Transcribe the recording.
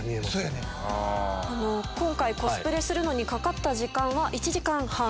コスプレするのにかかった時間は１時間半。